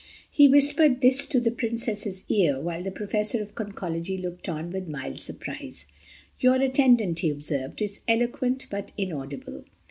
He whispered this into the Princess's ear while the Professor of Conchology looked on with mild surprise. "Your attendant," he observed, "is eloquent but inaudible."